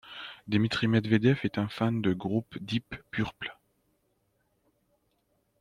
Dmitri Medvedev est un fan du groupe Deep Purple.